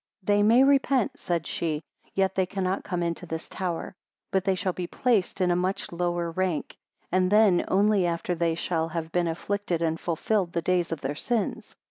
79 They may repent, said she, yet they cannot come into this tower; but, they shall be placed in a much lower rank, and then only after they shall have been afflicted and fulfilled the days of their sins.